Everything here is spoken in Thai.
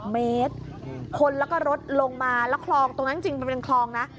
เมตรคนแล้วก็รถลงมาแล้วคลองตรงนั้นจริงมันเป็นคลองนะ